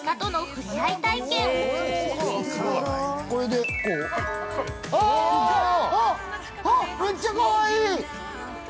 めっちゃかわいい。